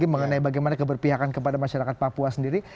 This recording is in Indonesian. mengenai bagaimana keberpihakan kepada masyarakat papua sendiri